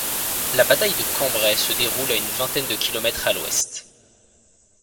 La bataille de Cambrai se déroule à une vingtaine de kilomètres à l'ouest.